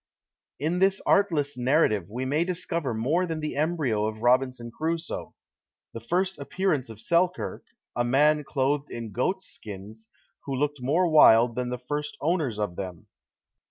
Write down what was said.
In this artless narrative we may discover more than the embryo of Robinson Crusoe. The first appearance of Selkirk, "a man clothed in goats' skins, who looked more wild than the first owners of them."